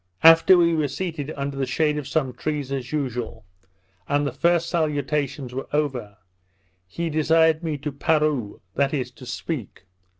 After we were seated under the shade of some trees, as usual, and the first salutations were over, he desired me to parou (that is, to speak).